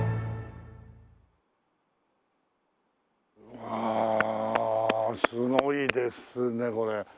うわあすごいですねこれ。